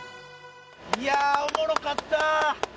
いやおもろかった！